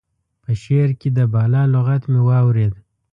په شعر کې د بالا لغت مې واورېد.